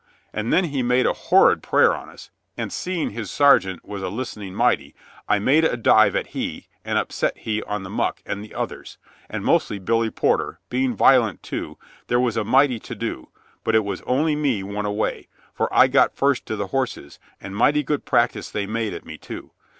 And then he made a horrid prayer on us, and, seeing his sergeant was a listening mighty, I made a dive at he and upset he on the muck and the others, and mostly Billy Porter, being violent, too, there was a mighty to do, but it was only me won away, for I got first to the horses, and mighty good practice they made at me, too.